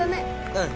うん。